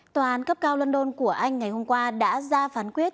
tòa án cấp cao london của anh ngày hôm qua đã ra phán quyết